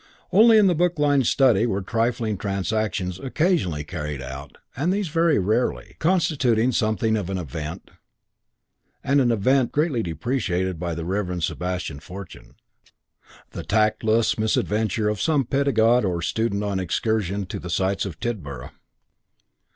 Only in the book lined study were trifling transactions occasionally carried out and these very rarely, constituting something of an event (and an event greatly deprecated by the Reverend Sebastian Fortune), the tactless misadventure of some pedagogue or student on excursion to the sights of Tidborough.